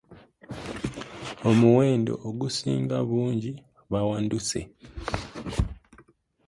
Omuwendo ogusinga obungi bawanduse.